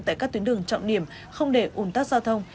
tại các tuyến đường trọng điểm không để ủn tắc giao thông